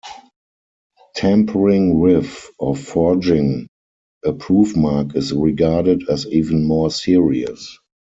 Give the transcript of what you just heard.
Tampering with, or forging, a proof mark is regarded as even more serious.